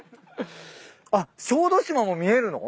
あっ小豆島も見えるの？